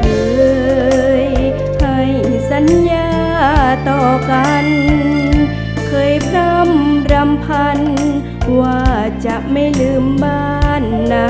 เคยให้สัญญาต่อกันเคยพร่ำรำพันว่าจะไม่ลืมบ้านนา